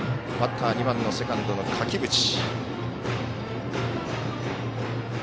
バッター、２番セカンドの垣淵。